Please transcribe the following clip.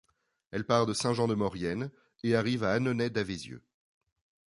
Elle part de Saint-Jean-de-Maurienne et arrive à Annonay-Davézieux.